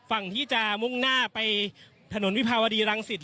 ฝั่งที่จะมุ่งหน้าไปถนนวิภาวดีรังสิต